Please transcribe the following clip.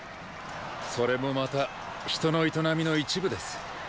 それもまた人の営みの一部です。